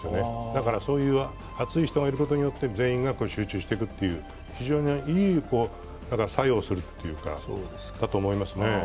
だから熱い人がいることによって全員が集中していくという非常にいい作用をするということだと思いますね。